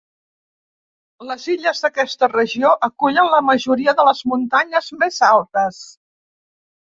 Les illes d'aquesta regió acullen la majoria de les muntanyes més altes.